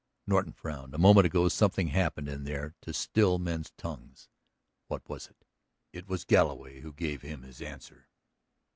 Norton frowned; a moment ago something happened in there to still men's tongues. What was it? It was Galloway who gave him his answer.